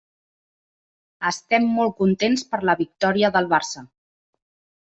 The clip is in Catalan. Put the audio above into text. Estem molt contents per la victòria del Barça.